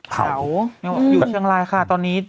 เผาอยู่ช่างลายค่ะตอนนี้